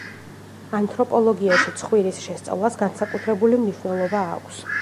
ანთროპოლოგიაში ცხვირის შესწავლას განსაკუთრებული მნიშვნელობა აქვს.